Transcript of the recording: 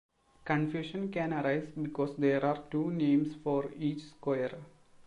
Confusion can arise because there are two names for each square.